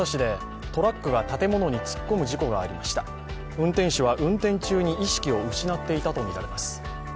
運転手は運転中に意識を失っていたとみられます。